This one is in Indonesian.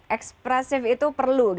ekspresif itu perlu